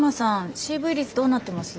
ＣＶ率どうなってます？